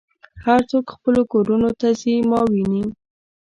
هر څوک خپلو کورونو ته ځي ما وینې.